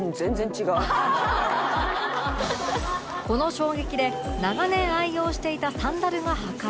この衝撃で長年愛用していたサンダルが破壊